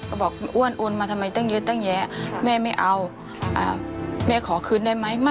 ก็บอกอ้วนโอนมาทำไมตั้งเยอะตั้งแยะแม่ไม่เอาแม่ขอคืนได้ไหม